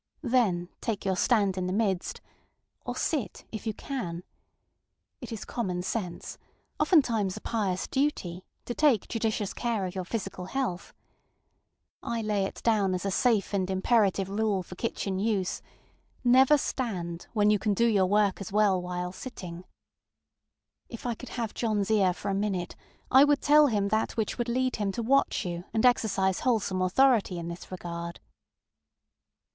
Then, take your stand in the midstŌĆöor sit, if you can. It is common senseŌĆöoftentimes a pious duty, to take judicious care of your physical health. I lay it down as a safe and imperative rule for kitchen useŌĆö_Never stand when you can do your work as well while sitting_. If I could have JohnŌĆÖs ear for a minute, I would tell him that which would lead him to watch you and exercise wholesome authority in this regard.